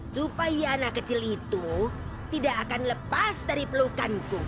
supaya anak kecil itu tidak akan lepas dari pelukanku